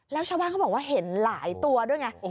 แล้วชาวบ้านเขาบอกว่าเห็นหลายตัวด้วยไง